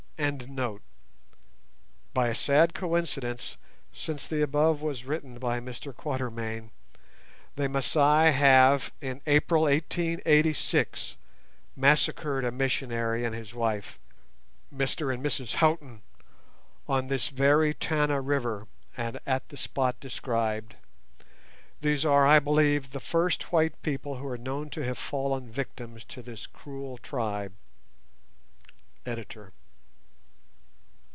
By a sad coincidence, since the above was written by Mr Quatermain, the Masai have, in April 1886, massacred a missionary and his wife—Mr and Mrs Houghton—on this very Tana River, and at the spot described. These are, I believe, the first white people who are known to have fallen victims to this cruel tribe.—Editor.